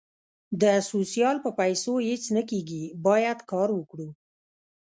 د سوسیال په پېسو هیڅ نه کېږي باید کار وکړو